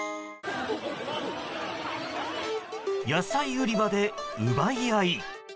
野菜売り場で奪い合い。